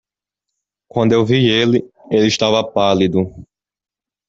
Quando eu vi ele, ele estava pálido.